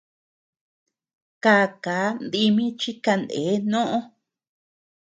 Kákaa ndimi chi kaneé noʼo.